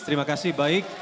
terima kasih baik